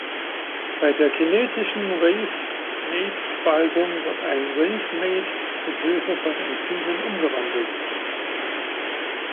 Bei der kinetischen Racematspaltung wird ein Racemat mit Hilfe von Enzymen umgewandelt.